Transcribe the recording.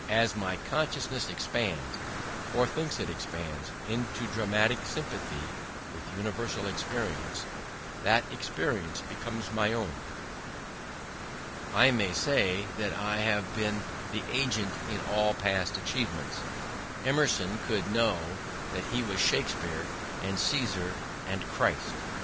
As my consciousness expands, or thinks it expands, into dramatic sympathy with universal experience, that experience becomes my own. I may say I have been the agent in all past achievements. Emerson could know that he was Shakespeare and Caesar and Christ.